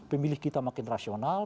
pemilih kita makin rasional